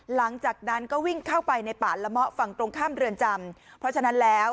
หลังจากนั้นก็วิ่งเข้าไปในป่าละเมาะฝั่งตรงข้ามเรือนจำเพราะฉะนั้นแล้ว